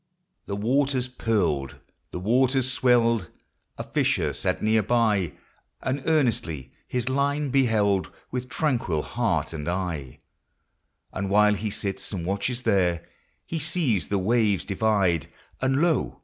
The waters purled, the waters swelled, — A fisher sat near by, And earnestly his line beheld With tranquil heart and eye ; And while he sits and watches there, He sees the waves divide, And, lo